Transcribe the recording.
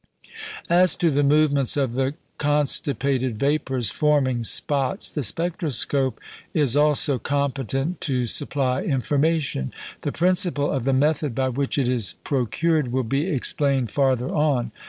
As to the movements of the constipated vapours forming spots, the spectroscope is also competent to supply information. The principle of the method by which it is procured will be explained farther on.